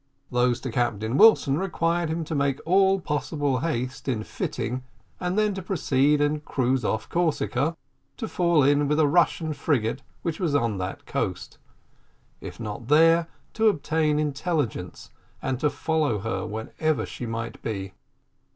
Those to Captain Wilson required him to make all possible haste in fitting, and then to proceed and cruise off Corsica, to fall in with a Russian frigate which was on that coast; if not there, to obtain intelligence, and to follow her wherever she might be.